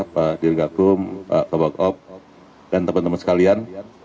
pak dirgakum pak kabokop dan teman teman sekalian